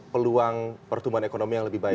peluang pertumbuhan ekonomi yang lebih baik